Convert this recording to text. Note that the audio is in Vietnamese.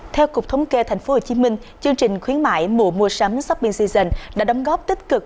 theo cục thống kê tp hcm chương trình khuyến mại mùa mua sắm shopping setion đã đóng góp tích cực